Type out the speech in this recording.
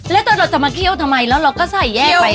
แล้วตอนเราจะมาเคี่ยวทำไมแล้วเราก็ใส่แยกไป